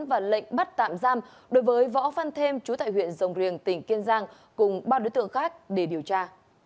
và lệnh bắt tạm giam đối với võ văn thêm chú tại huyện rồng riềng tỉnh kiên giang cùng ba đối tượng khác để điều tra